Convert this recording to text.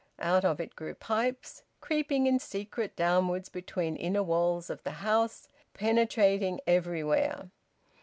Out of it grew pipes, creeping in secret downwards between inner walls of the house, penetrating everywhere.